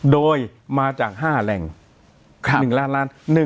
โดยมาจาก๕แหล่ง๑ล้านล้าน